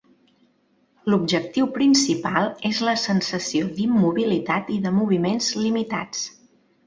L'objectiu principal és la sensació d'immobilitat i de moviments limitats.